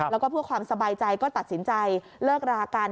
แล้วก็เพื่อความสบายใจก็ตัดสินใจเลิกรากัน